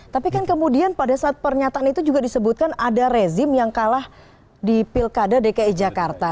tapi kan kemudian pada saat pernyataan itu juga disebutkan ada rezim yang kalah di pilkada dki jakarta